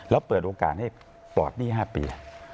แล้วเปิดโอกาสให้ปลอดหนี้๕ปี